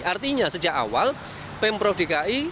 artinya sejak awal pemprov dki